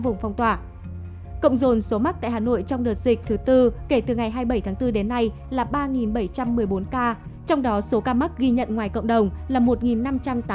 trong đó số ca mắc ghi nhận ngoài cộng đồng là một năm trăm tám mươi sáu ca